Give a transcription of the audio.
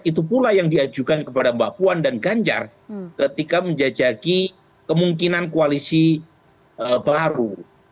itu pula yang diajukan kepada mbak puan dan ganjar ketika menjajaki kemungkinan koalisi baru